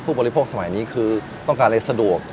บริโภคสมัยนี้คือต้องการอะไรสะดวก